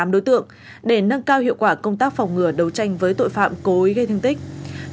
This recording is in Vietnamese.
hai mươi tám đối tượng để nâng cao hiệu quả công tác phòng ngừa đấu tranh với tội phạm cối gây thương tích